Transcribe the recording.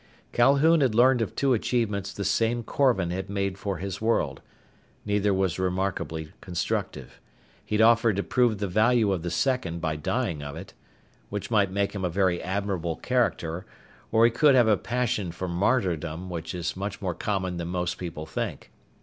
Calhoun had learned of two achievements the same Korvan had made for his world. Neither was remarkably constructive. He'd offered to prove the value of the second by dying of it. Which might make him a very admirable character, or he could have a passion for martyrdom, which is much more common than most people think.